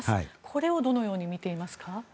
これをどのように見ていますか。